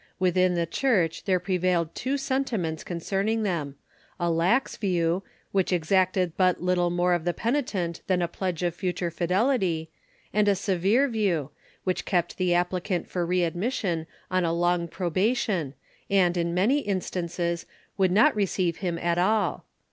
Within the Church there prevailed two sentiments concerning them — a lax view, which exacted but little more of the penitent than a pledge of future fidelity ; and a severe view, Avhich kept the applicant for readmission on a long probation, and, in many instances, would not receive him at all.